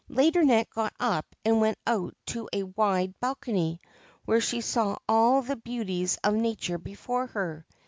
Laideronnette got up and went out on to a wide balcony, where she saw all the beauties of nature before her.